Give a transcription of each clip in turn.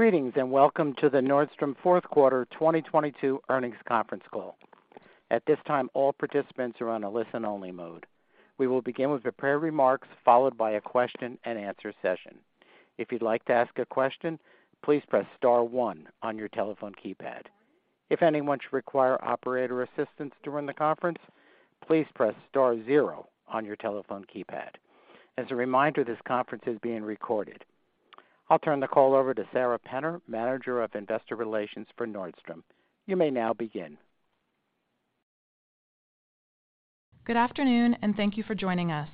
Greetings, welcome to the Nordstrom Fourth Quarter 2022 Earnings Conference Call. At this time, all participants are on a listen-only mode. We will begin with the prepared remarks followed by a question-and-answer session. If you'd like to ask a question, please press star one on your telephone keypad. If anyone should require operator assistance during the conference, please press star zero on your telephone keypad. As a reminder, this conference is being recorded. I'll turn the call over to Sara Penner, Manager of Investor Relations for Nordstrom. You may now begin. Good afternoon, and thank you for joining us.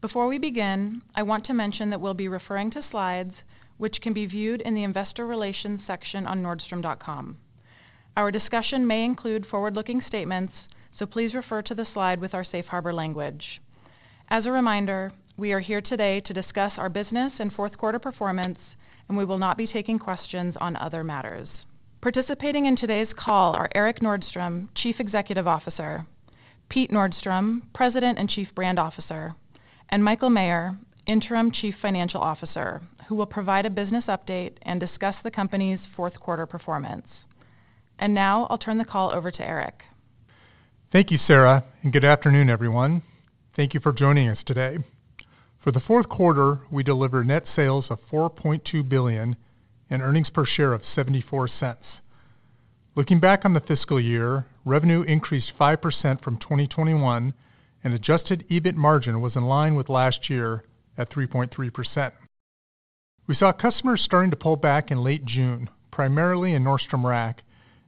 Before we begin, I want to mention that we'll be referring to slides which can be viewed in the investor relations section on nordstrom.com. Our discussion may include forward-looking statements, so please refer to the slide with our safe harbor language. As a reminder, we are here today to discuss our business and fourth quarter performance, and we will not be taking questions on other matters. Participating in today's call are Erik Nordstrom, Chief Executive Officer, Pete Nordstrom, President and Chief Brand Officer, and Michael Maher, Interim Chief Financial Officer, who will provide a business update and discuss the company's fourth quarter performance. Now I'll turn the call over to Erik. Thank you, Sara, and good afternoon, everyone. Thank you for joining us today. For the fourth quarter, we delivered net sales of $4.2 billion and earnings per share of $0.74. Looking back on the fiscal year, revenue increased 5% from 2021, and adjusted EBIT margin was in line with last year at 3.3%. We saw customers starting to pull back in late June, primarily in Nordstrom Rack,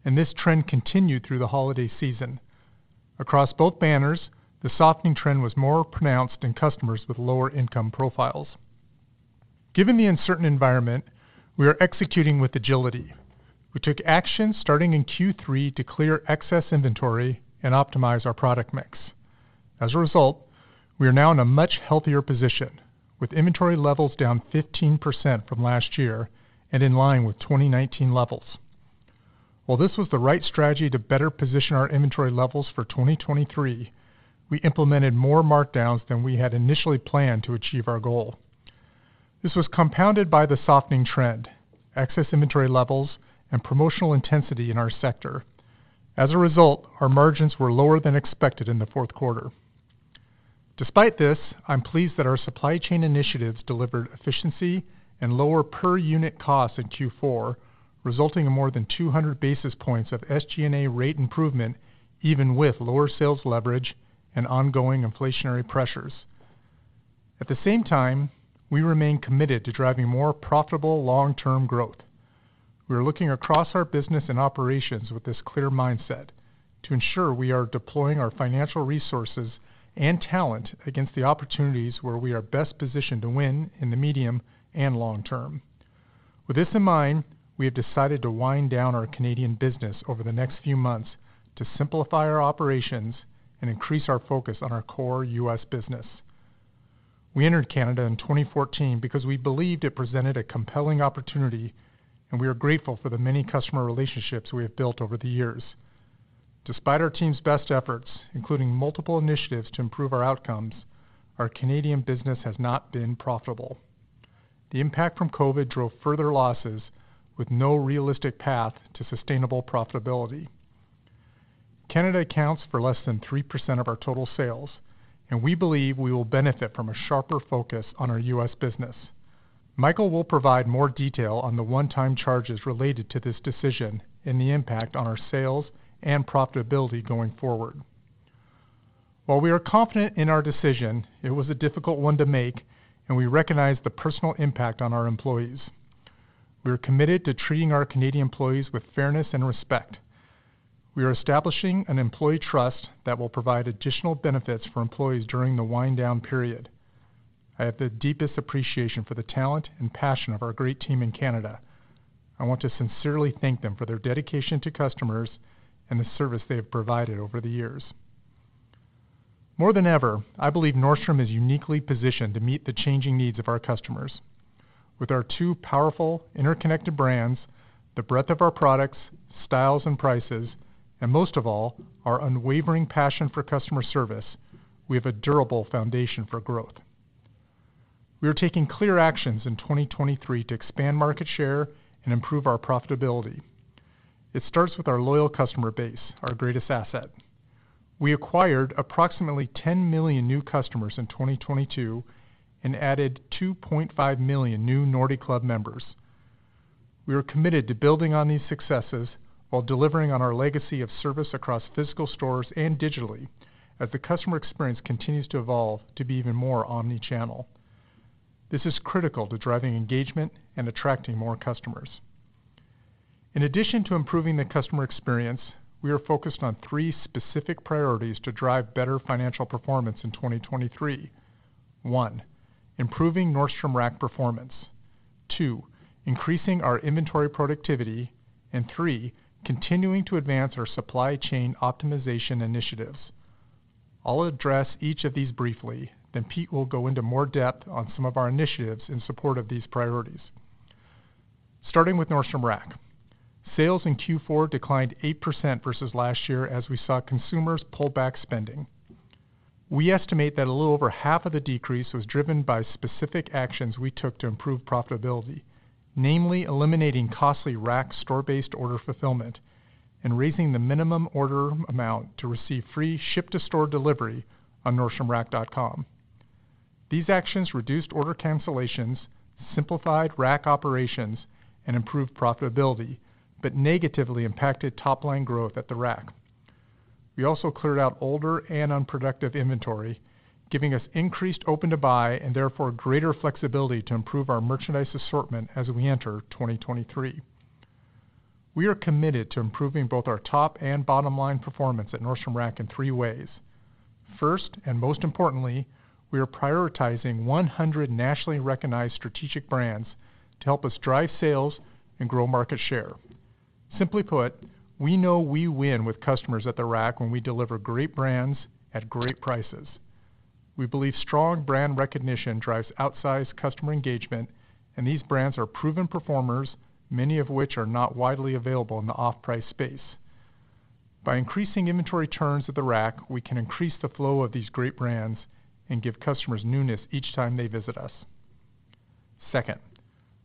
and this trend continued through the holiday season. Across both banners, the softening trend was more pronounced in customers with lower income profiles. Given the uncertain environment, we are executing with agility. We took action starting in Q3 to clear excess inventory and optimize our product mix. As a result, we are now in a much healthier position with inventory levels down 15% from last year and in line with 2019 levels. While this was the right strategy to better position our inventory levels for 2023, we implemented more markdowns than we had initially planned to achieve our goal. This was compounded by the softening trend, excess inventory levels, and promotional intensity in our sector. As a result, our margins were lower than expected in the fourth quarter. Despite this, I'm pleased that our supply chain initiatives delivered efficiency and lower per unit costs in Q4, resulting in more than 200 basis points of SG&A rate improvement, even with lower sales leverage and ongoing inflationary pressures. At the same time, we remain committed to driving more profitable long-term growth. We are looking across our business and operations with this clear mindset to ensure we are deploying our financial resources and talent against the opportunities where we are best positioned to win in the medium and long term. With this in mind, we have decided to wind down our Canadian business over the next few months to simplify our operations and increase our focus on our core U.S. business. We entered Canada in 2014 because we believed it presented a compelling opportunity, and we are grateful for the many customer relationships we have built over the years. Despite our team's best efforts, including multiple initiatives to improve our outcomes, our Canadian business has not been profitable. The impact from COVID drove further losses with no realistic path to sustainable profitability. Canada accounts for less than 3% of our total sales, and we believe we will benefit from a sharper focus on our U.S. business. Michael will provide more detail on the one-time charges related to this decision and the impact on our sales and profitability going forward. While we are confident in our decision, it was a difficult one to make, and we recognize the personal impact on our employees. We are committed to treating our Canadian employees with fairness and respect. We are establishing an employee trust that will provide additional benefits for employees during the wind down period. I have the deepest appreciation for the talent and passion of our great team in Canada. I want to sincerely thank them for their dedication to customers and the service they have provided over the years. More than ever, I believe Nordstrom is uniquely positioned to meet the changing needs of our customers. With our two powerful, interconnected brands, the breadth of our products, styles and prices, and most of all, our unwavering passion for customer service, we have a durable foundation for growth. We are taking clear actions in 2023 to expand market share and improve our profitability. It starts with our loyal customer base, our greatest asset. We acquired approximately 10 million new customers in 2022 and added 2.5 million new Nordy Club members. We are committed to building on these successes while delivering on our legacy of service across physical stores and digitally as the customer experience continues to evolve to be even more omnichannel. This is critical to driving engagement and attracting more customers. In addition to improving the customer experience, we are focused on three specific priorities to drive better financial performance in 2023. One, improving Nordstrom Rack performance. Two, increasing our inventory productivity. Three, continuing to advance our supply chain optimization initiatives. I'll address each of these briefly, then Pete will go into more depth on some of our initiatives in support of these priorities. Starting with Nordstrom Rack. Sales in Q4 declined 8% versus last year as we saw consumers pull back spending. We estimate that a little over half of the decrease was driven by specific actions we took to improve profitability, namely eliminating costly Rack store-based order fulfillment and raising the minimum order amount to receive free ship to store delivery on nordstromrack.com. These actions reduced order cancellations, simplified Rack operations, and improved profitability. Negatively impacted top-line growth at the Rack. We also cleared out older and unproductive inventory, giving us increased open to buy and therefore greater flexibility to improve our merchandise assortment as we enter 2023. We are committed to improving both our top and bottom line performance at Nordstrom Rack in three ways. First, and most importantly, we are prioritizing 100 nationally recognized strategic brands to help us drive sales and grow market share. Simply put, we know we win with customers at the Rack when we deliver great brands at great prices. We believe strong brand recognition drives outsized customer engagement, and these brands are proven performers, many of which are not widely available in the off-price space. By increasing inventory turns at the Rack, we can increase the flow of these great brands and give customers newness each time they visit us. Second,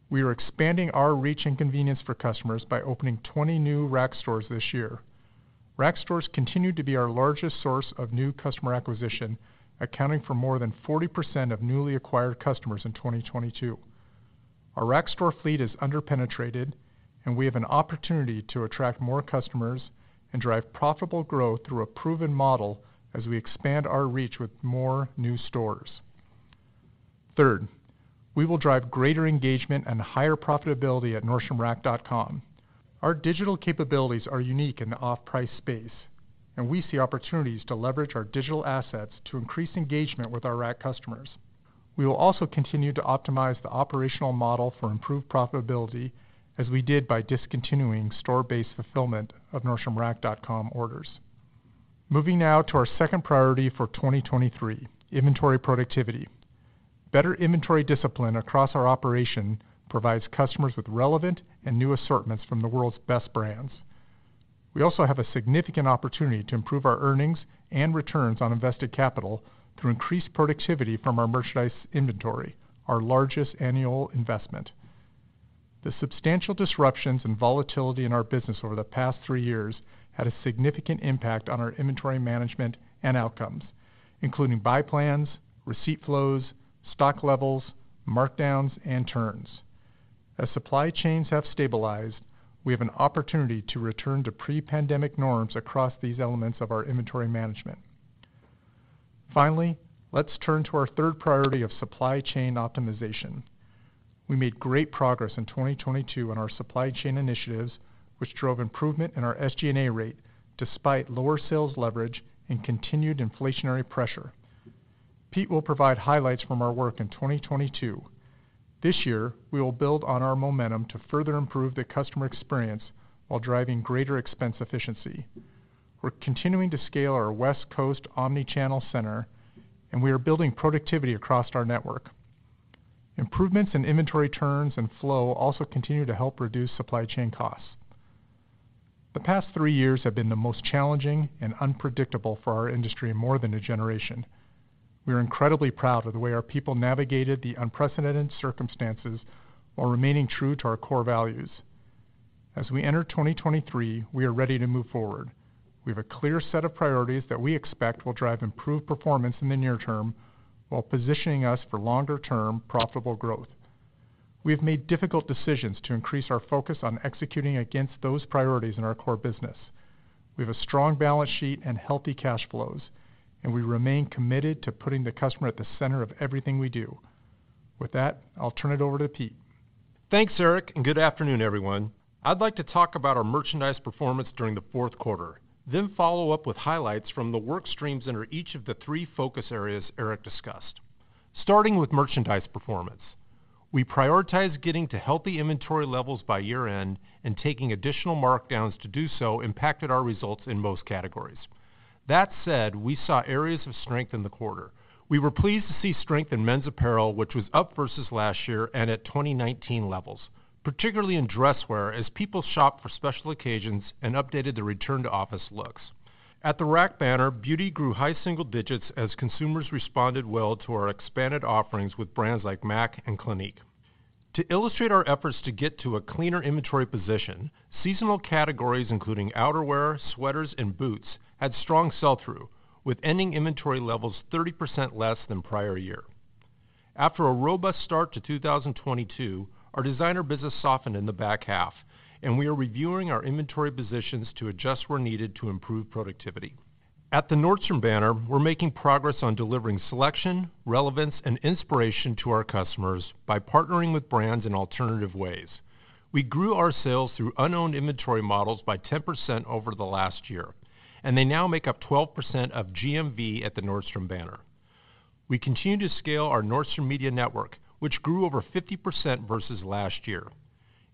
we are expanding our reach and convenience for customers by opening 20 new Rack stores this year. Rack stores continue to be our largest source of new customer acquisition, accounting for more than 40% of newly acquired customers in 2022. Our Rack store fleet is under penetrated, and we have an opportunity to attract more customers and drive profitable growth through a proven model as we expand our reach with more new stores. Third, we will drive greater engagement and higher profitability at nordstromrack.com. Our digital capabilities are unique in the off-price space, and we see opportunities to leverage our digital assets to increase engagement with our Rack customers. We will also continue to optimize the operational model for improved profitability, as we did by discontinuing store based fulfillment of nordstromrack.com orders. Moving now to our second priority for 2023, inventory productivity. Better inventory discipline across our operation provides customers with relevant and new assortments from the world's best brands. We also have a significant opportunity to improve our earnings and returns on invested capital through increased productivity from our merchandise inventory, our largest annual investment. The substantial disruptions and volatility in our business over the past three years had a significant impact on our inventory management and outcomes, including buy plans, receipt flows, stock levels, markdowns, and turns. As supply chains have stabilized, we have an opportunity to return to pre-pandemic norms across these elements of our inventory management. Finally, let's turn to our third priority of supply chain optimization. We made great progress in 2022 on our supply chain initiatives, which drove improvement in our SG&A rate despite lower sales leverage and continued inflationary pressure. Pete will provide highlights from our work in 2022. This year, we will build on our momentum to further improve the customer experience while driving greater expense efficiency. We're continuing to scale our West Coast omnichannel center, and we are building productivity across our network. Improvements in inventory turns and flow also continue to help reduce supply chain costs. The past three years have been the most challenging and unpredictable for our industry in more than a generation. We are incredibly proud of the way our people navigated the unprecedented circumstances while remaining true to our core values. As we enter 2023, we are ready to move forward. We have a clear set of priorities that we expect will drive improved performance in the near term while positioning us for longer term profitable growth. We have made difficult decisions to increase our focus on executing against those priorities in our core business. We have a strong balance sheet and healthy cash flows, and we remain committed to putting the customer at the center of everything we do. With that, I'll turn it over to Pete. Thanks, Erik. Good afternoon, everyone. I'd like to talk about our merchandise performance during the fourth quarter, then follow up with highlights from the work streams under each of the three focus areas Erik discussed. Starting with merchandise performance, we prioritize getting to healthy inventory levels by year-end and taking additional markdowns to do so impacted our results in most categories. We saw areas of strength in the quarter. We were pleased to see strength in men's apparel, which was up versus last year and at 2019 levels, particularly in dress wear as people shopped for special occasions and updated the return-to-office looks. At the Rack banner, beauty grew high single digits as consumers responded well to our expanded offerings with brands like MAC and Clinique. To illustrate our efforts to get to a cleaner inventory position, seasonal categories including outerwear, sweaters, and boots had strong sell-through, with ending inventory levels 30% less than prior year. After a robust start to 2022, our designer business softened in the back half, and we are reviewing our inventory positions to adjust where needed to improve productivity. At the Nordstrom banner, we're making progress on delivering selection, relevance, and inspiration to our customers by partnering with brands in alternative ways. We grew our sales through unowned inventory models by 10% over the last year, and they now make up 12% of GMV at the Nordstrom banner. We continue to scale our Nordstrom Media Network, which grew over 50% versus last year.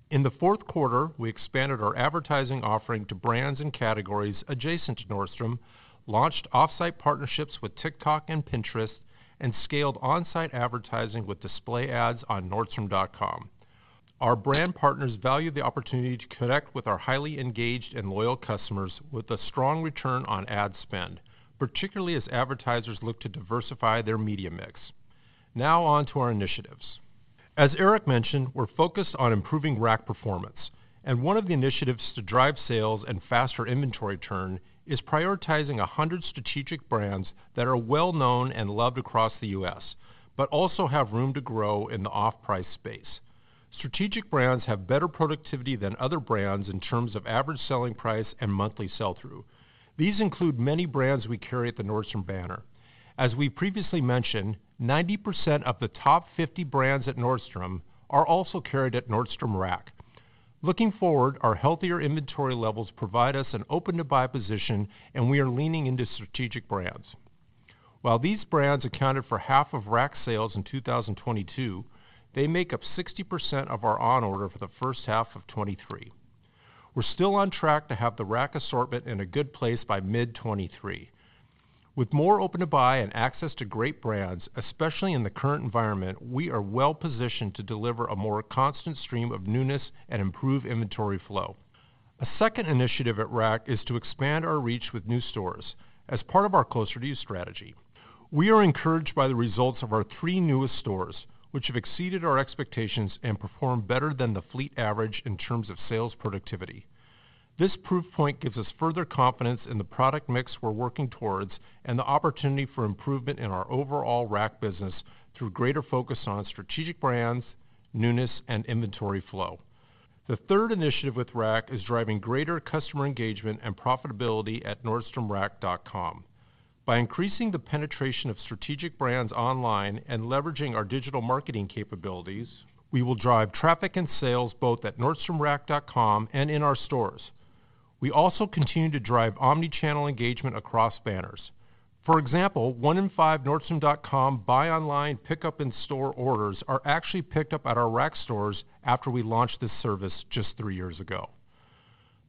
In the fourth quarter, we expanded our advertising offering to brands and categories adjacent to Nordstrom, launched off-site partnerships with TikTok and Pinterest, and scaled on-site advertising with display ads on nordstrom.com. Our brand partners value the opportunity to connect with our highly engaged and loyal customers with a strong return on ad spend, particularly as advertisers look to diversify their media mix. On to our initiatives. As Erik mentioned, we're focused on improving Rack performance, and one of the initiatives to drive sales and faster inventory turn is prioritizing 100 strategic brands that are well-known and loved across the U.S., but also have room to grow in the off-price space. Strategic brands have better productivity than other brands in terms of average selling price and monthly sell-through. These include many brands we carry at the Nordstrom banner. As we previously mentioned, 90% of the top 50 brands at Nordstrom are also carried at Nordstrom Rack. Looking forward, our healthier inventory levels provide us an open to buy position, and we are leaning into strategic brands. These brands accounted for half of Rack sales in 2022, they make up 60% of our on order for the first half of 2023. We're still on track to have the Rack assortment in a good place by mid-2023. With more open to buy and access to great brands, especially in the current environment, we are well-positioned to deliver a more constant stream of newness and improve inventory flow. A second initiative at Rack is to expand our reach with new stores as part of our Closer to You strategy. We are encouraged by the results of our three newest stores, which have exceeded our expectations and perform better than the fleet average in terms of sales productivity. This proof point gives us further confidence in the product mix we're working towards and the opportunity for improvement in our overall Rack business through greater focus on strategic brands, newness, and inventory flow. The third initiative with Rack is driving greater customer engagement and profitability at nordstromrack.com. By increasing the penetration of strategic brands online and leveraging our digital marketing capabilities, we will drive traffic and sales both at nordstromrack.com and in our stores. We also continue to drive omni-channel engagement across banners. For example, one in five nordstrom.com buy online, pickup in-store orders are actually picked up at our Rack stores after we launched this service just three years ago.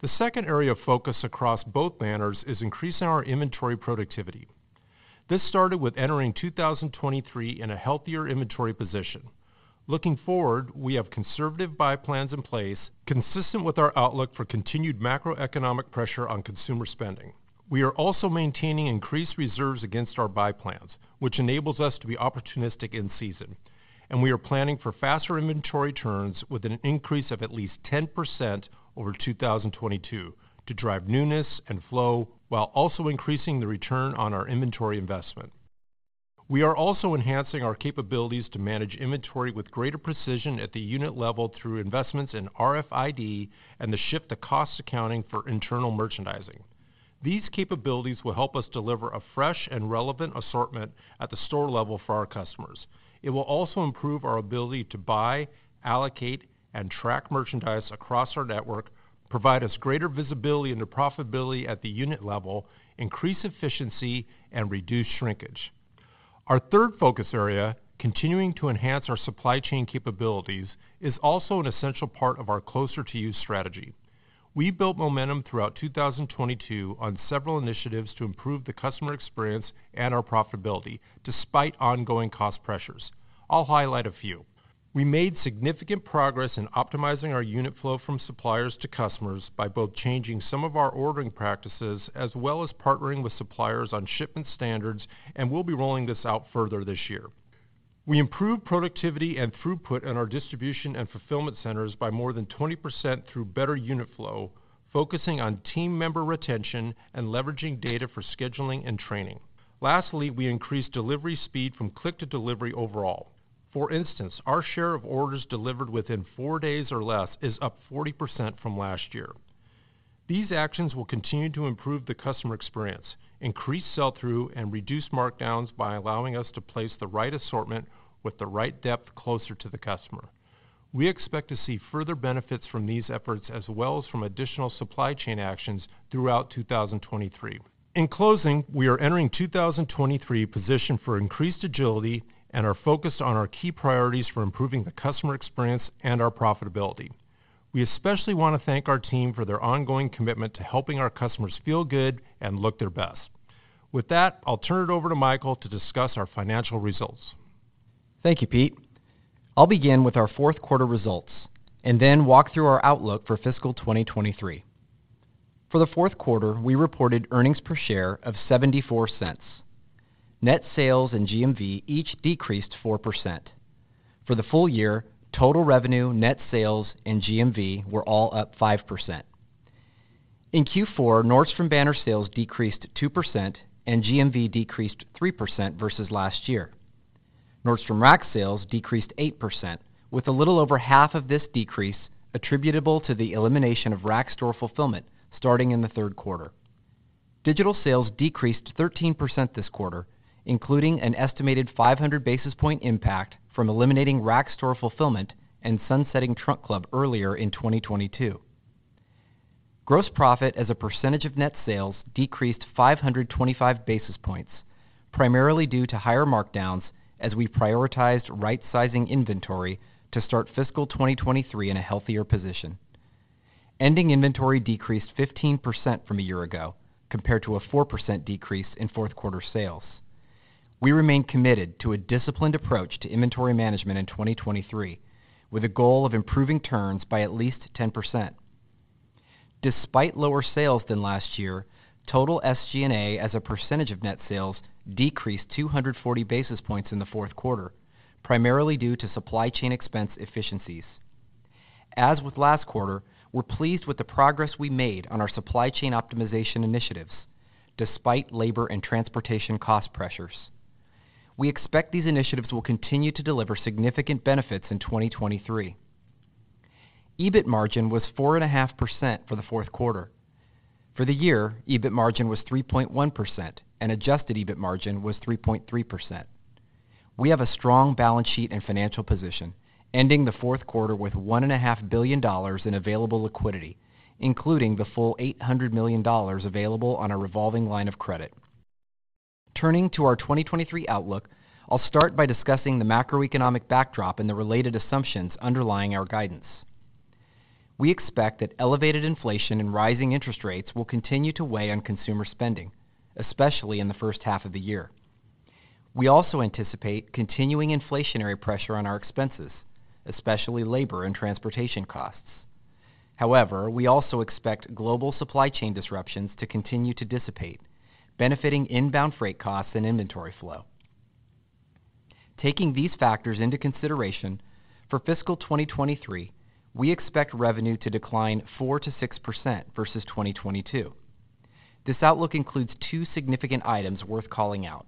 The second area of focus across both banners is increasing our inventory productivity. This started with entering 2023 in a healthier inventory position. Looking forward, we have conservative buy plans in place consistent with our outlook for continued macroeconomic pressure on consumer spending. We are also maintaining increased reserves against our buy plans, which enables us to be opportunistic in season. We are planning for faster inventory turns with an increase of at least 10% over 2022 to drive newness and flow while also increasing the return on our inventory investment. We are also enhancing our capabilities to manage inventory with greater precision at the unit level through investments in RFID and the ship-to cost accounting for internal merchandising. These capabilities will help us deliver a fresh and relevant assortment at the store level for our customers. It will also improve our ability to buy, allocate, and track merchandise across our network, provide us greater visibility into profitability at the unit level, increase efficiency, and reduce shrinkage. Our third focus area, continuing to enhance our supply chain capabilities, is also an essential part of our Closer to You strategy. We built momentum throughout 2022 on several initiatives to improve the customer experience and our profitability despite ongoing cost pressures. I'll highlight a few. We made significant progress in optimizing our unit flow from suppliers to customers by both changing some of our ordering practices as well as partnering with suppliers on shipment standards. We'll be rolling this out further this year. We improved productivity and throughput in our distribution and fulfillment centers by more than 20% through better unit flow, focusing on team member retention and leveraging data for scheduling and training. We increased delivery speed from click to delivery overall. Our share of orders delivered within four days or less is up 40% from last year. These actions will continue to improve the customer experience, increase sell-through, and reduce markdowns by allowing us to place the right assortment with the right depth closer to the customer. We expect to see further benefits from these efforts as well as from additional supply chain actions throughout 2023. We are entering 2023 positioned for increased agility and are focused on our key priorities for improving the customer experience and our profitability. We especially want to thank our team for their ongoing commitment to helping our customers feel good and look their best. I'll turn it over to Michael to discuss our financial results. Thank you, Pete. I'll begin with our fourth quarter results and then walk through our outlook for fiscal 2023. For the fourth quarter, we reported earnings per share of $0.74. Net sales and GMV each decreased 4%. For the full year, total revenue, net sales, and GMV were all up 5%. In Q4, Nordstrom banner sales decreased 2%, and GMV decreased 3% versus last year. Nordstrom Rack sales decreased 8%, with a little over half of this decrease attributable to the elimination of Rack store fulfillment starting in the third quarter. Digital sales decreased 13% this quarter, including an estimated 500 basis point impact from eliminating Rack store fulfillment and sunsetting Trunk Club earlier in 2022. Gross profit as a percentage of net sales decreased 525 basis points, primarily due to higher markdowns as we prioritized right-sizing inventory to start fiscal 2023 in a healthier position. Ending inventory decreased 15% from a year ago compared to a 4% decrease in fourth quarter sales. We remain committed to a disciplined approach to inventory management in 2023, with a goal of improving turns by at least 10%. Despite lower sales than last year, total SG&A as a percentage of net sales decreased 240 basis points in the fourth quarter, primarily due to supply chain expense efficiencies. As with last quarter, we're pleased with the progress we made on our supply chain optimization initiatives despite labor and transportation cost pressures. We expect these initiatives will continue to deliver significant benefits in 2023. EBIT margin was 4.5% for the fourth quarter. For the year, EBIT margin was 3.1% and adjusted EBIT margin was 3.3%. We have a strong balance sheet and financial position, ending the fourth quarter with $1.5 billion in available liquidity, including the full $800 million available on a revolving line of credit. Turning to our 2023 outlook, I'll start by discussing the macroeconomic backdrop and the related assumptions underlying our guidance. We expect that elevated inflation and rising interest rates will continue to weigh on consumer spending, especially in the first half of the year. We also anticipate continuing inflationary pressure on our expenses, especially labor and transportation costs. However, we also expect global supply chain disruptions to continue to dissipate, benefiting inbound freight costs and inventory flow. Taking these factors into consideration, for fiscal 2023, we expect revenue to decline 4%-6% versus 2022. This outlook includes two significant items worth calling out.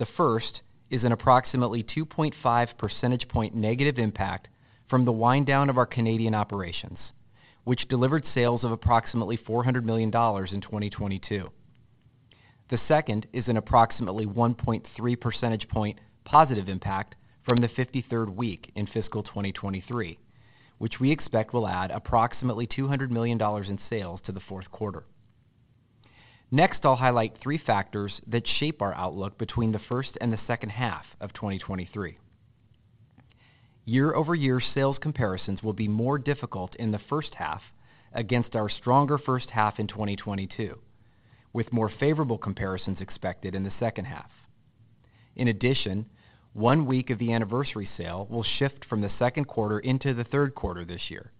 The first is an approximately 2.5 percentage point negative impact from the wind down of our Canadian operations, which delivered sales of approximately $400 million in 2022. The second is an approximately 1.3 percentage point positive impact from the 53rd week in fiscal 2023, which we expect will add approximately $200 million in sales to the fourth quarter. Next, I'll highlight three factors that shape our outlook between the first and the second half of 2023. Year-over-year sales comparisons will be more difficult in the first half against our stronger first half in 2022, with more favorable comparisons expected in the second half. In addition, one week of the Anniversary Sale will shift from the second quarter into the third quarter this year.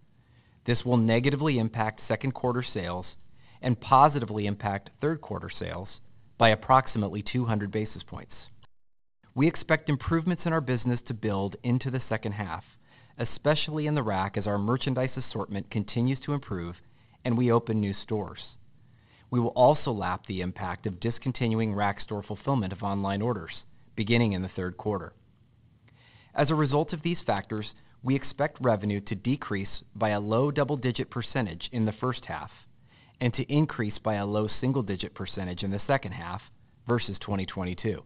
This will negatively impact second quarter sales and positively impact third quarter sales by approximately 200 basis points. We expect improvements in our business to build into the second half, especially in the Rack as our merchandise assortment continues to improve and we open new stores. We will also lap the impact of discontinuing Rack store fulfillment of online orders beginning in the third quarter. As a result of these factors, we expect revenue to decrease by a low double-digit percentage in the first half and to increase by a low single-digit percentage in the second half versus 2022.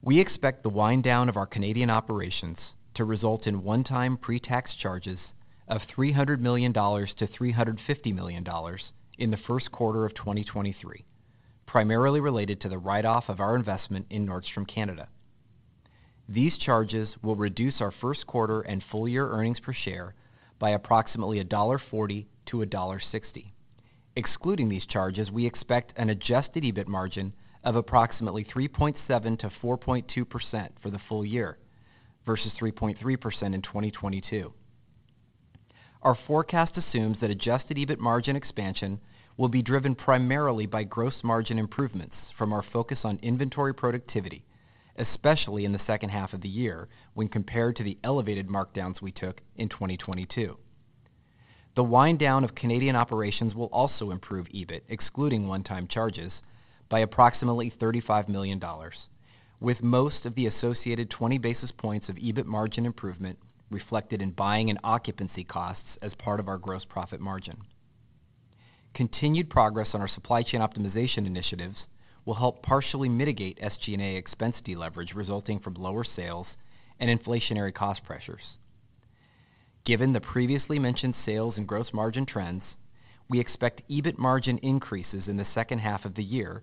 We expect the wind down of our Canadian operations to result in one-time pre-tax charges of $300 million-$350 million in the first quarter of 2023, primarily related to the write-off of our investment in Nordstrom Canada. These charges will reduce our first quarter and full year earnings per share by approximately $1.40-$1.60. Excluding these charges, we expect an adjusted EBIT margin of approximately 3.7%-4.2% for the full year, versus 3.3% in 2022. Our forecast assumes that adjusted EBIT margin expansion will be driven primarily by gross margin improvements from our focus on inventory productivity, especially in the second half of the year when compared to the elevated markdowns we took in 2022. The wind down of Canadian operations will also improve EBIT, excluding one-time charges by approximately $35 million, with most of the associated 20 basis points of EBIT margin improvement reflected in buying and occupancy costs as part of our gross profit margin. Continued progress on our supply chain optimization initiatives will help partially mitigate SG&A expense deleverage resulting from lower sales and inflationary cost pressures. Given the previously mentioned sales and gross margin trends, we expect EBIT margin increases in the second half of the year,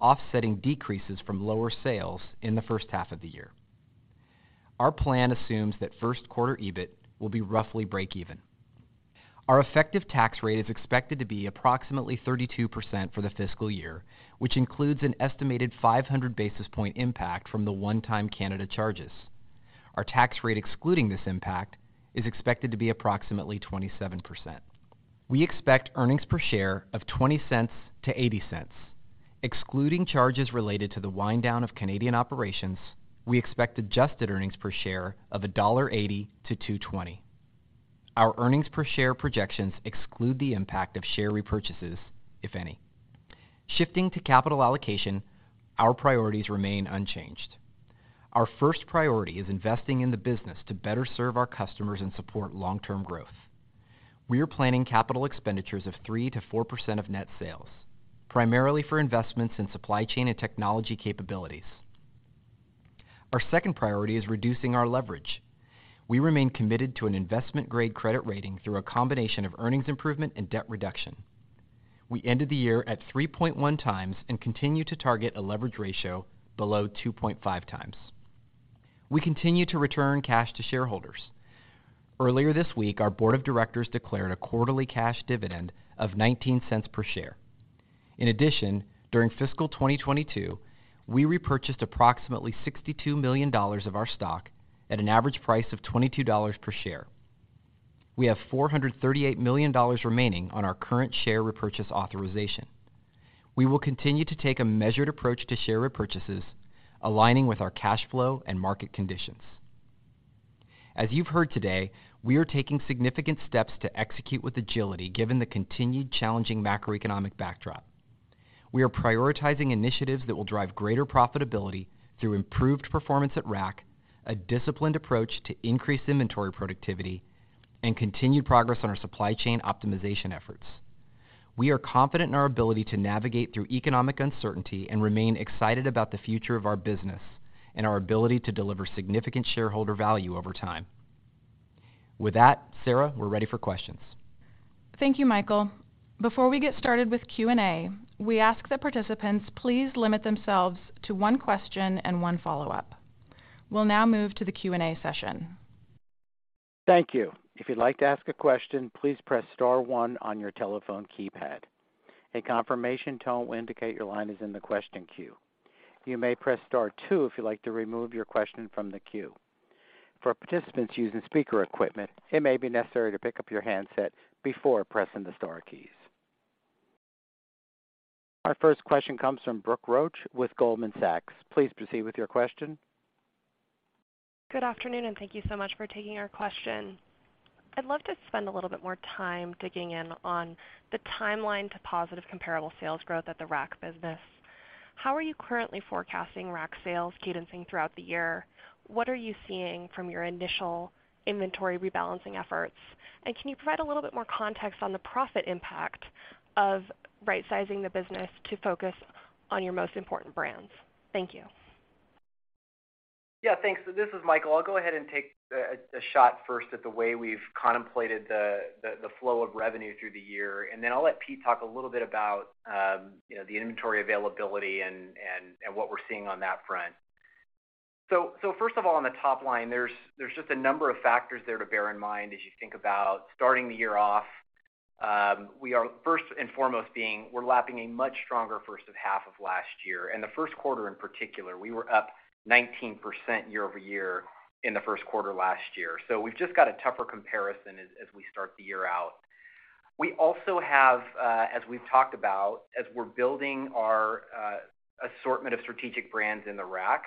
offsetting decreases from lower sales in the first half of the year. Our plan assumes that first quarter EBIT will be roughly break even. Our effective tax rate is expected to be approximately 32% for the fiscal year, which includes an estimated 500 basis point impact from the one-time Canada charges. Our tax rate excluding this impact is expected to be approximately 27%. We expect earnings per share of $0.20-$0.80. Excluding charges related to the wind down of Canadian operations, we expect adjusted earnings per share of $1.80-$2.20. Our earnings per share projections exclude the impact of share repurchases, if any. Shifting to capital allocation, our priorities remain unchanged. Our first priority is investing in the business to better serve our customers and support long-term growth. We are planning capital expenditures of 3%-4% of net sales, primarily for investments in supply chain and technology capabilities. Our second priority is reducing our leverage. We remain committed to an investment-grade credit rating through a combination of earnings improvement and debt reduction. We ended the year at 3.1x and continue to target a leverage ratio below 2.5x. We continue to return cash to shareholders. Earlier this week, our Board of Directors declared a quarterly cash dividend of $0.19 per share. In addition, during fiscal 2022, we repurchased approximately $62 million of our stock at an average price of $22 per share. We have $438 million remaining on our current share repurchase authorization. We will continue to take a measured approach to share repurchases, aligning with our cash flow and market conditions. As you've heard today, we are taking significant steps to execute with agility given the continued challenging macroeconomic backdrop. We are prioritizing initiatives that will drive greater profitability through improved performance at Rack, a disciplined approach to increase inventory productivity, and continued progress on our supply chain optimization efforts. We are confident in our ability to navigate through economic uncertainty and remain excited about the future of our business and our ability to deliver significant shareholder value over time. With that, Sara, we're ready for questions. Thank you, Michael. Before we get started with Q&A, we ask that participants please limit themselves to one question and one follow-up. We'll now move to the Q&A session. Thank you. If you'd like to ask a question, please press star one on your telephone keypad. A confirmation tone will indicate your line is in the question queue. You may press star two if you'd like to remove your question from the queue. For participants using speaker equipment, it may be necessary to pick up your handset before pressing the star keys. Our first question comes from Brooke Roach with Goldman Sachs. Please proceed with your question. Good afternoon. Thank you so much for taking our question. I'd love to spend a little bit more time digging in on the timeline to positive comparable sales growth at the Rack business. How are you currently forecasting Rack sales cadencing throughout the year? What are you seeing from your initial inventory rebalancing efforts? Can you provide a little bit more context on the profit impact of rightsizing the business to focus on your most important brands? Thank you. Yeah. Thanks. This is Michael. I'll go ahead and take a shot first at the way we've contemplated the flow of revenue through the year, and then I'll let Pete Nordstrom talk a little bit about, you know, the inventory availability and what we're seeing on that front. First of all, on the top line, there's just a number of factors there to bear in mind as you think about starting the year off. First and foremost being we're lapping a much stronger first of half of last year. The first quarter, in particular, we were up 19% year-over-year in the first quarter last year. We've just got a tougher comparison as we start the year out. We also have, as we've talked about, as we're building our assortment of strategic brands in the Rack,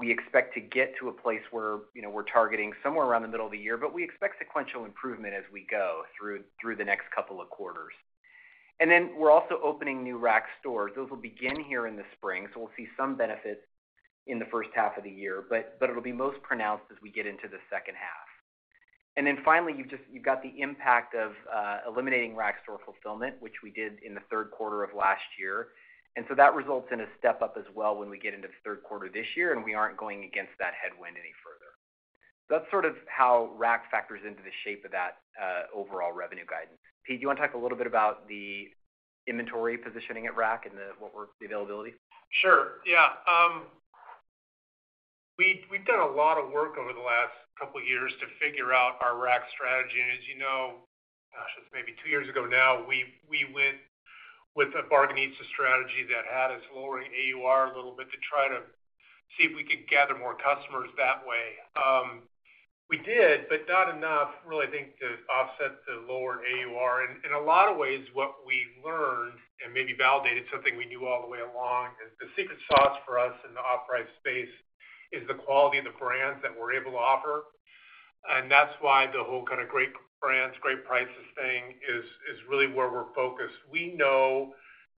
we expect to get to a place where, you know, we're targeting somewhere around the middle of the year, but we expect sequential improvement as we go through the next couple of quarters. We're also opening new Rack stores. Those will begin here in the spring, so we'll see some benefits in the first half of the year, but it'll be most pronounced as we get into the second half. Finally, you've got the impact of eliminating Rack store fulfillment, which we did in the third quarter of last year. That results in a step-up as well when we get into the third quarter this year, and we aren't going against that headwind any further. That's sort of how Rack factors into the shape of that, overall revenue guidance. Pete, do you want to talk a little bit about the inventory positioning at Rack and what were the availability? Sure. Yeah. We've done a lot of work over the last couple of years to figure out our Rack strategy. As you know, gosh, it's maybe two years ago now, we went with a bargain eats strategy that had us lowering AUR a little bit to try to see if we could gather more customers that way. We did, but not enough, really, I think, to offset the lower AUR. In a lot of ways, what we learned and maybe validated something we knew all the way along is the secret sauce for us in the off-price space is the quality of the brands that we're able to offer. That's why the whole kind of great brands, great prices thing is really where we're focused. We know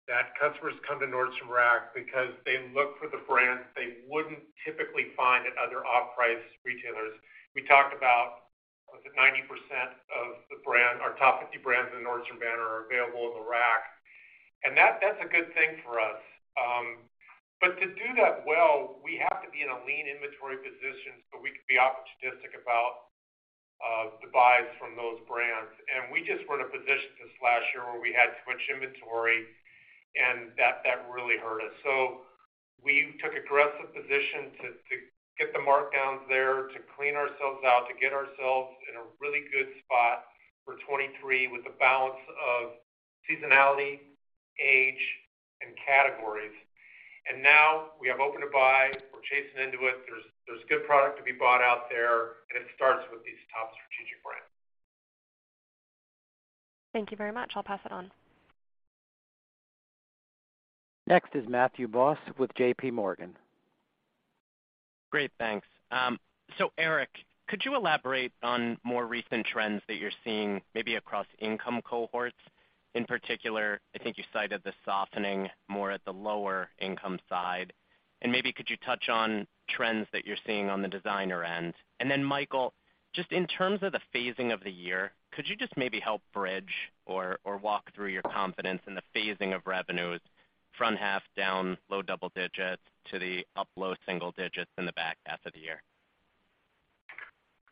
that customers come to Nordstrom Rack because they look for the brands they wouldn't typically find at other off-price retailers. We talked about, was it 90% of our top 50 brands in the Nordstrom brand are available in the Rack. That's a good thing for us. To do that well, we have to be in a lean inventory position so we can be opportunistic about the buys from those brands. We just weren't a position this last year where we had switch inventory, and that really hurt us. We took aggressive position to get the markdowns there, to clean ourselves out, to get ourselves in a really good spot for 2023 with the balance of seasonality, age, and categories. Now we have open to buy, we're chasing into it. There's good product to be bought out there. It starts with these top strategic brands. Thank you very much. I'll pass it on. Next is Matthew Boss with JPMorgan. Great. Thanks. So Erik, could you elaborate on more recent trends that you're seeing maybe across income cohorts? In particular, I think you cited the softening more at the lower income side. Maybe could you touch on trends that you're seeing on the designer end? Michael, just in terms of the phasing of the year, could you just maybe help bridge or walk through your confidence in the phasing of revenues front half down low double digits to the up low single digits in the back half of the year?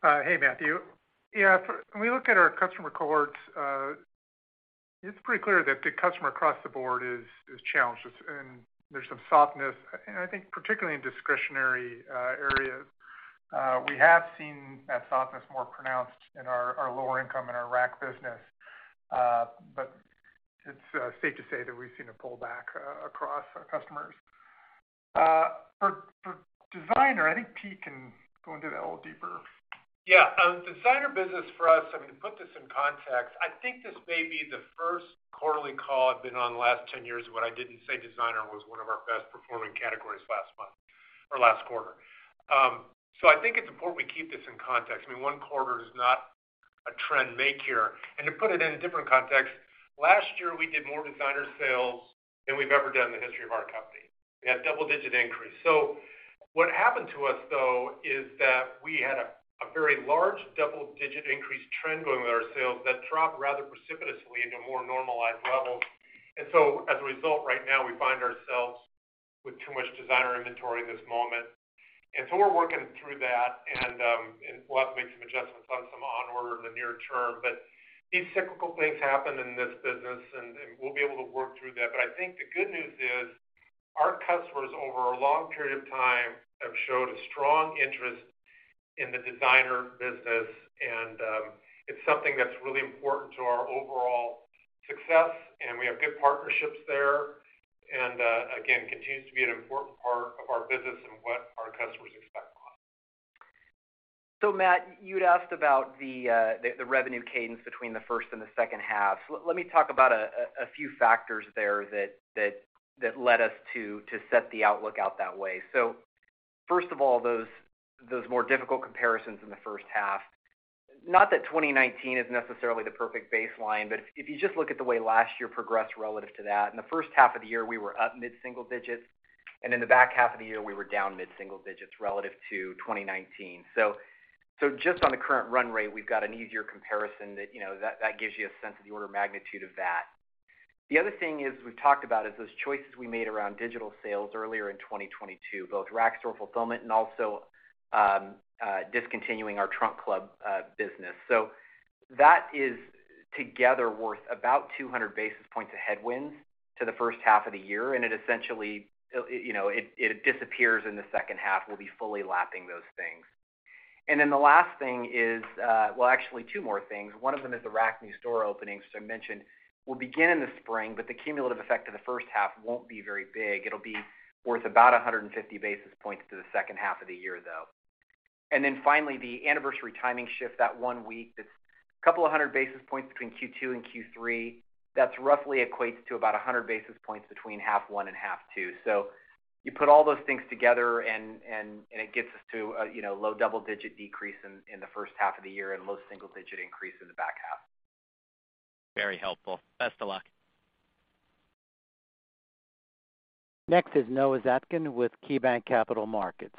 Hey, Matthew. When we look at our customer cohorts, it's pretty clear that the customer across the board is challenged. There's some softness, I think particularly in discretionary areas. We have seen that softness more pronounced in our lower income and our Rack business. It's safe to say that we've seen a pullback across our customers. For designer, I think Pete can go into that a little deeper. Designer business for us, I mean, to put this in context, I think this may be the first quarterly call I've been on the last 10 years when I didn't say designer was one of our best performing categories last month or last quarter. I think it's important we keep this in context. I mean, one quarter is not a trend make here. To put it in a different context, last year we did more designer sales than we've ever done in the history of our company. We had double-digit increase. What happened to us, though, is that we had a very large double-digit increase trend going with our sales that dropped rather precipitously into more normalized levels. As a result, right now, we find ourselves with too much designer inventory in this moment. We're working through that and we'll have to make some adjustments on some on order in the near term. These cyclical things happen in this business, and we'll be able to work through that. I think the good news is our customers, over a long period of time, have showed a strong interest in the designer business. It's something that's really important to our overall success, and we have good partnerships there, and again, continues to be an important part of our business and what our customers expect from us. Matt, you'd asked about the revenue cadence between the first and the second half. Let me talk about a few factors there that led us to set the outlook out that way. First of all, those more difficult comparisons in the first half, not that 2019 is necessarily the perfect baseline, but if you just look at the way last year progressed relative to that, in the first half of the year, we were up mid-single digits, and in the back half of the year, we were down mid-single digits relative to 2019. Just on the current run rate, we've got an easier comparison that, you know, that gives you a sense of the order of magnitude of that. The other thing is, we've talked about, is those choices we made around digital sales earlier in 2022, both Rack store fulfillment and also, discontinuing our Trunk Club business. That is together worth about 200 basis points of headwinds to the first half of the year, and it essentially, you know, it disappears in the second half. We'll be fully lapping those things. The last thing is, well, actually two more things. One of them is the Rack new store openings, which I mentioned will begin in the spring, but the cumulative effect of the first half won't be very big. It'll be worth about 150 basis points to the second half of the year, though. Finally, the Anniversary timing shift, that one week, that's 200 basis points between Q2 and Q3. That roughly equates to about 100 basis points between half one and half two. You put all those things together and it gets us to a, you know, low double-digit decrease in the first half of the year and low single-digit increase in the back half. Very helpful. Best of luck. Next is Noah Zatzkin with KeyBanc Capital Markets.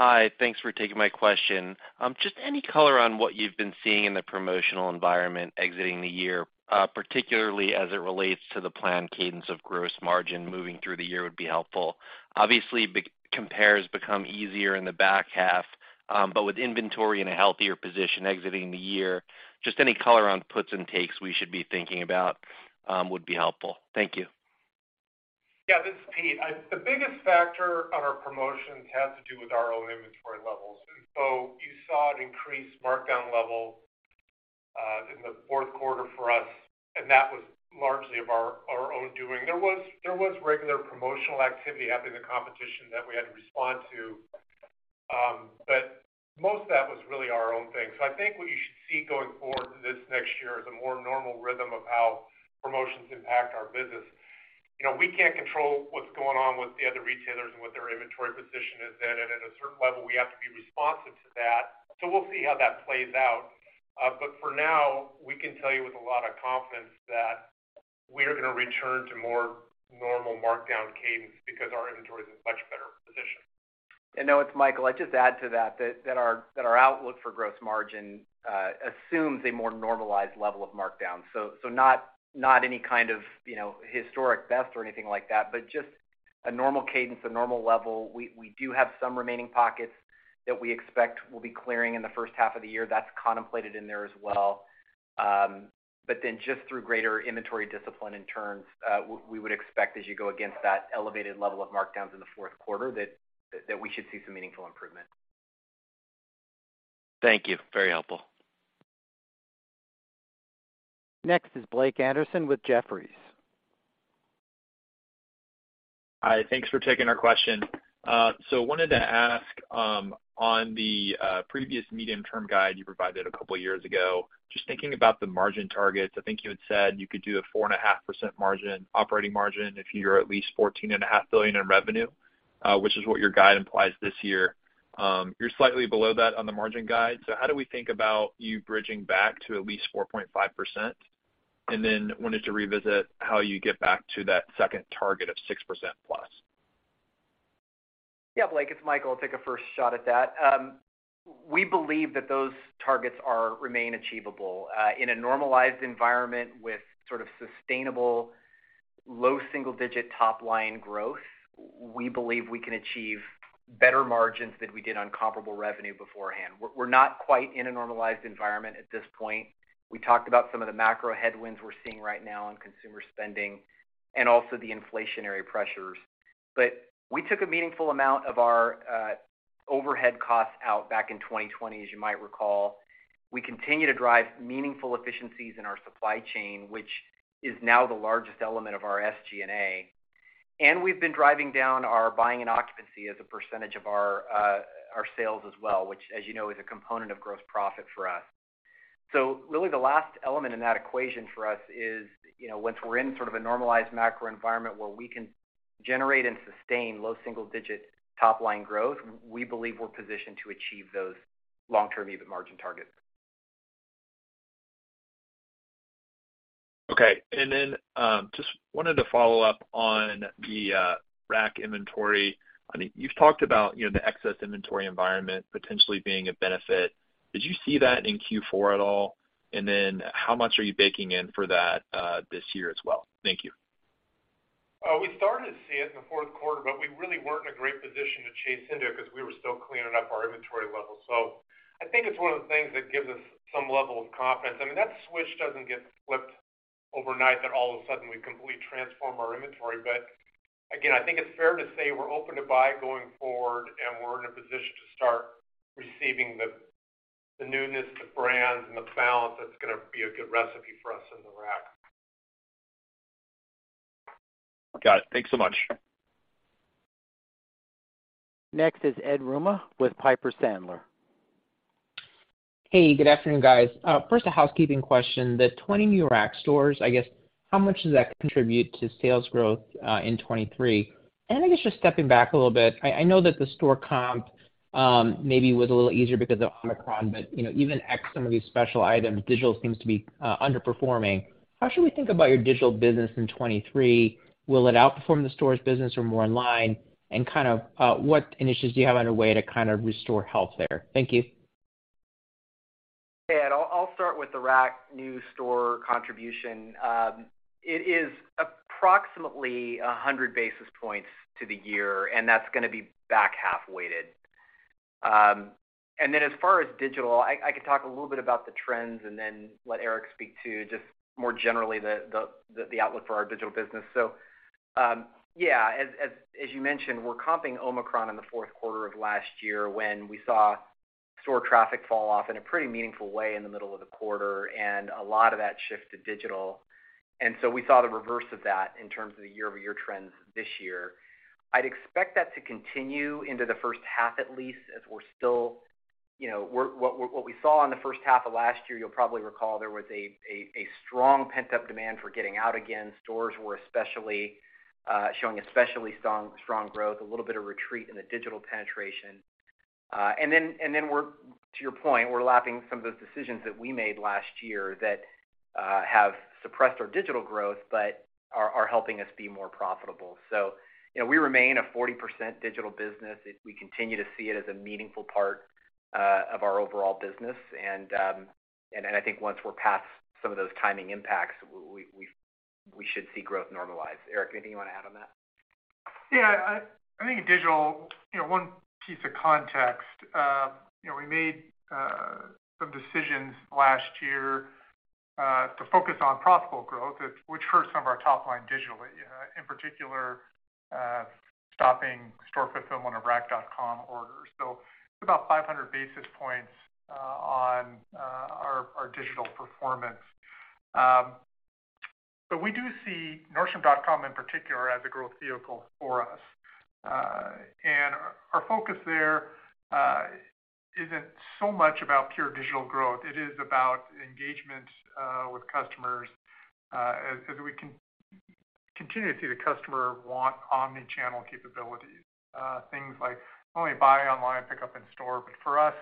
Hi. Thanks for taking my question. Just any color on what you've been seeing in the promotional environment exiting the year, particularly as it relates to the planned cadence of gross margin moving through the year would be helpful. Obviously, compares become easier in the back half. With inventory in a healthier position exiting the year, just any color on puts and takes we should be thinking about, would be helpful. Thank you. Yeah, this is Pete. The biggest factor on our promotions has to do with our own inventory levels. You saw an increased markdown level in the fourth quarter for us, and that was largely of our own doing. There was regular promotional activity happening in the competition that we had to respond to, but most of that was really our own thing. I think what you should see going forward through this next year is a more normal rhythm of how promotions impact our business. You know, we can't control what's going on with the other retailers and what their inventory position is. At a certain level, we have to be responsive to that. We'll see how that plays out. For now, we can tell you with a lot of confidence that we are gonna return to more normal markdown cadence because our inventory is in much better position. Noah, it's Michael. I'd just add to that our outlook for gross margin assumes a more normalized level of markdown. Not any kind of, you know, historic best or anything like that, but just a normal cadence, a normal level. We do have some remaining pockets that we expect will be clearing in the first half of the year. That's contemplated in there as well. Just through greater inventory discipline and turns, we would expect as you go against that elevated level of markdowns in the fourth quarter that we should see some meaningful improvement. Thank you. Very helpful. Next is Blake Anderson with Jefferies. Hi. Thanks for taking our question. Wanted to ask on the previous medium-term guide you provided a couple of years ago, just thinking about the margin targets, I think you had said you could do a 4.5% margin, operating margin if you're at least $14.5 billion in revenue, which is what your guide implies this year. You're slightly below that on the margin guide. How do we think about you bridging back to at least 4.5%? Wanted to revisit how you get back to that second target of 6%+. Yeah, Blake, it's Michael. I'll take a first shot at that. We believe that those targets remain achievable. In a normalized environment with sort of sustainable low single-digit top-line growth, we believe we can achieve better margins than we did on comparable revenue beforehand. We're not quite in a normalized environment at this point. We talked about some of the macro headwinds we're seeing right now on consumer spending and also the inflationary pressures. We took a meaningful amount of our overhead costs out back in 2020, as you might recall. We continue to drive meaningful efficiencies in our supply chain, which is now the largest element of our SG&A. We've been driving down our buying and occupancy as a % of our sales as well, which, as you know, is a component of gross profit for us. Really the last element in that equation for us is, you know, once we're in sort of a normalized macro environment where we can generate and sustain low single digit top line growth, we believe we're positioned to achieve those long-term EBIT margin targets. Okay. Just wanted to follow up on the Rack inventory. I mean, you've talked about, you know, the excess inventory environment potentially being a benefit. Did you see that in Q4 at all? How much are you baking in for that this year as well? Thank you. We started to see it in the fourth quarter, we really weren't in a great position to chase into it because we were still cleaning up our inventory levels. I think it's one of the things that gives us some level of confidence. I mean, that switch doesn't get flipped overnight, that all of a sudden we completely transform our inventory. Again, I think it's fair to say we're open to buy going forward, and we're in a position to start receiving the newness, the brands, and the balance that's gonna be a good recipe for us in the Rack. Got it. Thanks so much. Next is Ed Yruma with Piper Sandler. Hey, good afternoon, guys. First a housekeeping question. The 20 new Rack stores, I guess, how much does that contribute to sales growth in 2023? I know that the store comp, maybe was a little easier because of Omicron, but, you know, even ex some of these special items, digital seems to be underperforming. How should we think about your digital business in 2023? Will it outperform the stores business or more in line? kind of what initiatives do you have underway to kind of restore health there? Thank you. Yeah. I'll start with the Rack new store contribution. It is approximately 100 basis points to the year, and that's gonna be back half weighted. As far as digital, I can talk a little bit about the trends and then let Erik speak to just more generally the outlook for our digital business. Yeah, as you mentioned, we're comping Omicron in the fourth quarter of last year when we saw store traffic fall off in a pretty meaningful way in the middle of the quarter, and a lot of that shift to digital. We saw the reverse of that in terms of the year-over-year trends this year. I'd expect that to continue into the first half, at least as we're still, you know, what we saw in the first half of last year, you'll probably recall there was a strong pent-up demand for getting out again. Stores were especially showing strong growth, a little bit of retreat in the digital penetration. To your point, we're lapping some of those decisions that we made last year that have suppressed our digital growth, but are helping us be more profitable. You know, we remain a 40% digital business. We continue to see it as a meaningful part of our overall business. I think once we're past some of those timing impacts, we should see growth normalize. Erik, anything you want to add on that? Yeah. I think digital, you know, one piece of context, you know, we made some decisions last year to focus on profitable growth, which hurts some of our top line digitally, in particular, stopping store fulfillment of nordstromrack.com orders. It's about 500 basis points on our digital performance. We do see nordstrom.com in particular as a growth vehicle for us. Our focus there isn't so much about pure digital growth. It is about engagement with customers as we continue to see the customer want omnichannel capabilities, things like only buy online, pickup in-store. For us,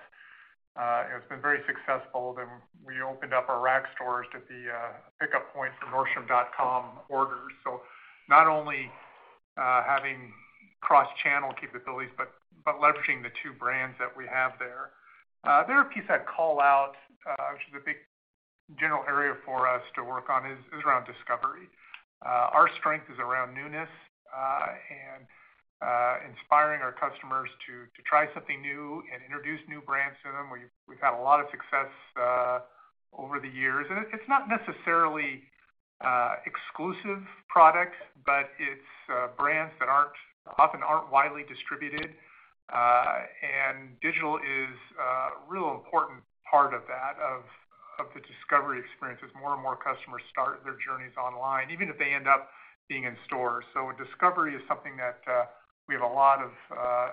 it's been very successful. We opened up our Nordstrom Rack stores to be a pickup point for nordstrom.com orders. Not only, having cross-channel capabilities, but leveraging the two brands that we have there. The other piece I'd call out, which is a big general area for us to work on, is around discovery. Our strength is around newness, and inspiring our customers to try something new and introduce new brands to them. We've had a lot of success, over the years. It's, it's not necessarily, exclusive products, but it's, brands that aren't often aren't widely distributed. Digital is a real important part of that, of the discovery experience as more and more customers start their journeys online, even if they end up being in store. Discovery is something that, we have a lot of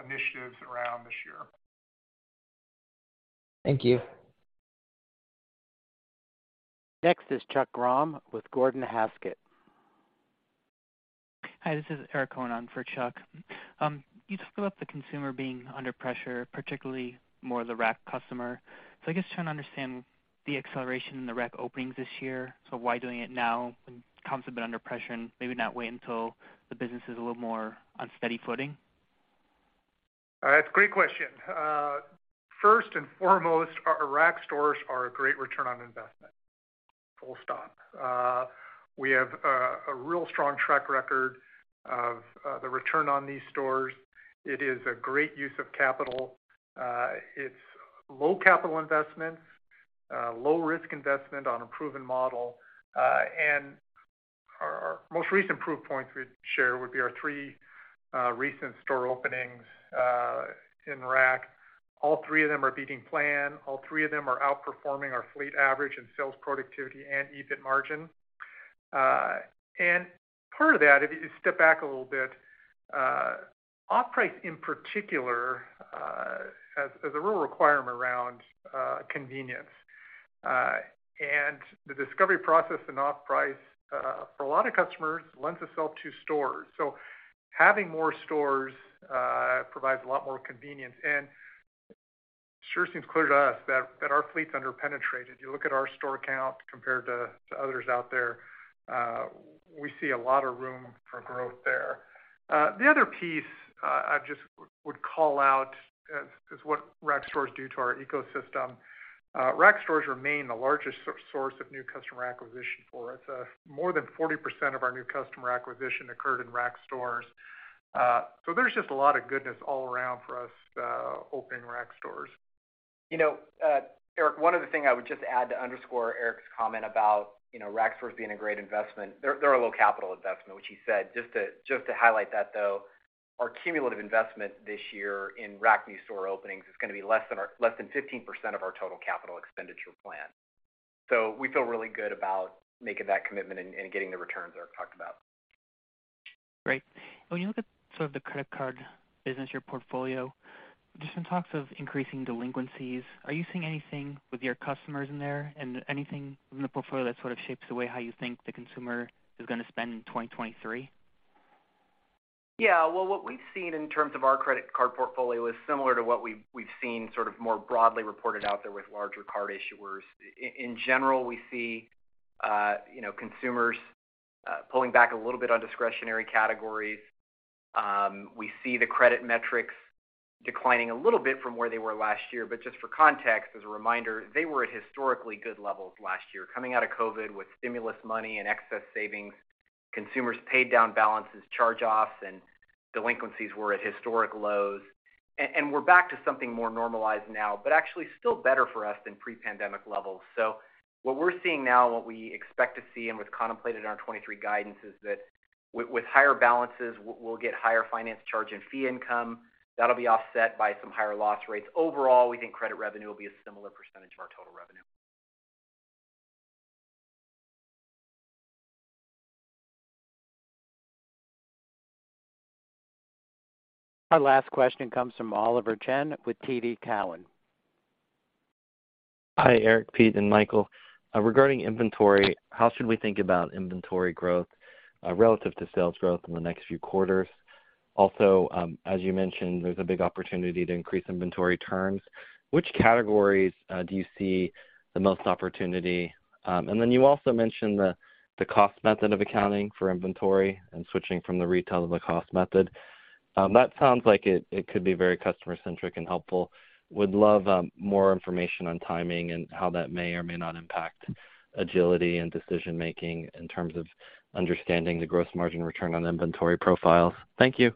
initiatives around this year. Thank you. Next is Chuck Grom with Gordon Haskett. Hi, this is Eric Cohen for Chuck. You spoke about the consumer being under pressure, particularly more the Rack customer. I guess trying to understand the acceleration in the Rack openings this year. Why doing it now when comp's a bit under pressure and maybe not wait until the business is a little more on steady footing? It's a great question. First and foremost, our Rack stores are a great return on investment, full stop. We have a real strong track record of the return on these stores. It is a great use of capital. It's low capital investment, low risk investment on a proven model. Our most recent proof points we'd share would be our three recent store openings in Rack. All three of them are beating plan, all three of them are outperforming our fleet average in sales productivity and EBIT margin. Part of that, if you just step back a little bit, off-price, in particular, has a real requirement around convenience. The discovery process in off-price for a lot of customers lends itself to stores. Having more stores provides a lot more convenience. It sure seems clear to us that our fleet's under-penetrated. You look at our store count compared to others out there, we see a lot of room for growth there. The other piece, I just would call out is what Rack stores do to our ecosystem. Rack stores remain the largest source of new customer acquisition for us. More than 40% of our new customer acquisition occurred in Rack stores. There's just a lot of goodness all around for us, opening Rack stores. You know, Eric, one other thing I would just add to underscore Erik's comment about, you know, Rack stores being a great investment. They're a low capital investment, which he said. Just to highlight that, though, our cumulative investment this year in Rack new store openings is gonna be less than less than 15% of our total capital expenditure plan. We feel really good about making that commitment and getting the returns Erik talked about. Great. When you look at sort of the credit card business, your portfolio, there's some talks of increasing delinquencies. Are you seeing anything with your customers in there and anything in the portfolio that sort of shapes the way how you think the consumer is gonna spend in 2023? Yeah. Well, what we've seen in terms of our credit card portfolio is similar to what we've seen sort of more broadly reported out there with larger card issuers. In general, we see, you know, consumers pulling back a little bit on discretionary categories. We see the credit metrics declining a little bit from where they were last year. Just for context, as a reminder, they were at historically good levels last year. Coming out of COVID with stimulus money and excess savings, consumers paid down balances, charge-offs, and delinquencies were at historic lows. We're back to something more normalized now, but actually still better for us than pre-pandemic levels. What we're seeing now and what we expect to see and what's contemplated in our 23 guidance is that with higher balances, we'll get higher finance charge and fee income. That'll be offset by some higher loss rates. Overall, we think credit revenue will be a similar percentage of our total revenue. Our last question comes from Oliver Chen with TD Cowen. Hi, Erik, Pete, and Michael. Regarding inventory, how should we think about inventory growth relative to sales growth in the next few quarters? As you mentioned, there's a big opportunity to increase inventory turns. Which categories do you see the most opportunity? You also mentioned the cost method of accounting for inventory and switching from the retail to the cost method. That sounds like it could be very customer-centric and helpful. Would love more information on timing and how that may or may not impact agility and decision-making in terms of understanding the gross margin return on inventory profiles. Thank you.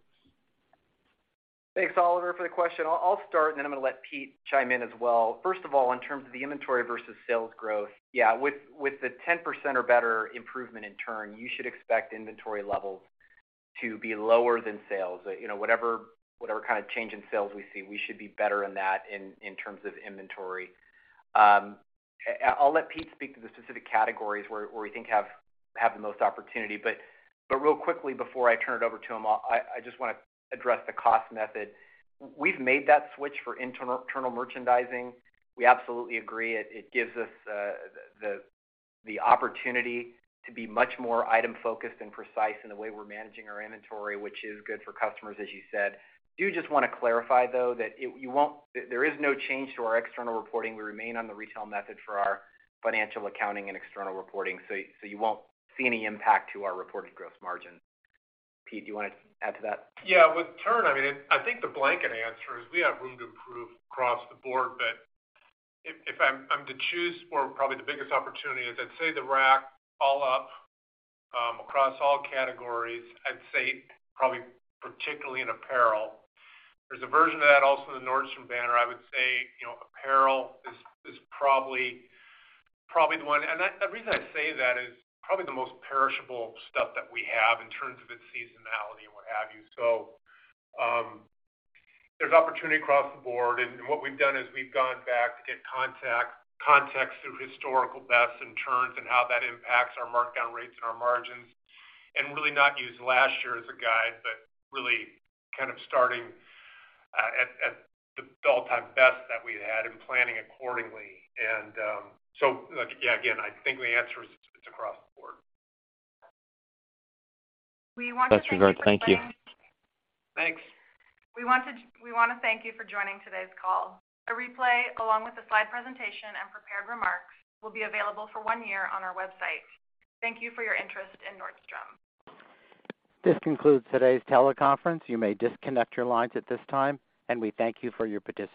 Thanks, Oliver, for the question. I'll start, and then I'm gonna let Pete chime in as well. First of all, in terms of the inventory versus sales growth, yeah, with the 10% or better improvement in turn, you should expect inventory levels to be lower than sales. You know, whatever kind of change in sales we see, we should be better than that in terms of inventory. I'll let Pete speak to the specific categories where we think have the most opportunity. Real quickly before I turn it over to him, I just wanna address the cost method. We've made that switch for internal merchandising. We absolutely agree. It gives us the opportunity to be much more item-focused and precise in the way we're managing our inventory, which is good for customers, as you said. Just wanna clarify, though, that there is no change to our external reporting. We remain on the retail method for our financial accounting and external reporting, so you won't see any impact to our reported gross margin. Pete, do you wanna add to that? Yeah. With turn, I mean, I think the blanket answer is we have room to improve across the board. If I'm to choose for probably the biggest opportunity, I'd say the Rack all up, across all categories, I'd say probably particularly in apparel. There's a version of that also in the Nordstrom banner. I would say, you know, apparel is probably the one. The reason I say that is probably the most perishable stuff that we have in terms of its seasonality and what have you. There's opportunity across the board, and what we've done is we've gone back to get context through historical bests and turns and how that impacts our markdown rates and our margins, and really not use last year as a guide, but really kind of starting at the all-time best that we'd had and planning accordingly. like, yeah, again, I think the answer is it's across the board. We want to thank you for joining-. That's all right. Thank you. Thanks. We wanna thank you for joining today's call. A replay, along with the slide presentation and prepared remarks, will be available for one year on our website. Thank you for your interest in Nordstrom. This concludes today's teleconference. You may disconnect your lines at this time, and we thank you for your participation